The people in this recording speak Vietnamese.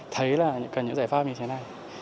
thấy là cần những giải pháp như thế này